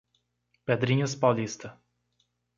Pedrinhas Paulista